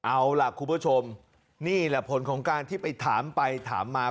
เอาล่ะคุณผู้ชมนี่แหละผลของการที่ไปถามไปถามมา